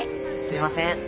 すいません。